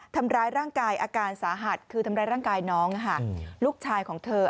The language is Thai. ทำร้ายร่างกายอาการสาหัสคือทำร้ายร่างกายน้องลูกชายของเธอ